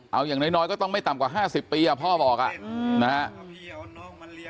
เอาอย่างน้อยก็ต้องไม่ต่ำกว่า๕๐ปีพ่อบอกนะครับ